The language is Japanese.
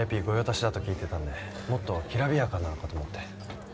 ＶＩＰご用達だと聞いていたんでもっときらびやかなのかと思って。